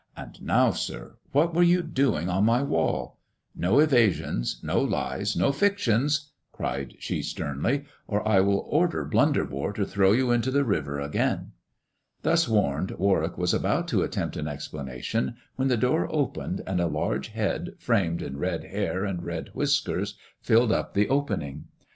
And now, sir, what were you doing on my walH No evasions, no lies, no fictions," cried she sternly, "or I will order Blunderbore to throw you into the river again." Thus warned, Warwick was about to attempt an explan ation, when the door opened, and a large head framed in red hair and red whiskers filled up the opening.